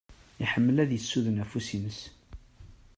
Iḥemmel ad isuden afus-ines.